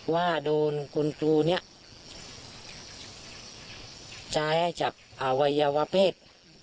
ว่าโดนคุณครูเนี่ยตายให้จับวัยวะเพศ